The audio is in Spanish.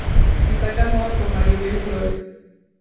Está casado con Maribel Flórez.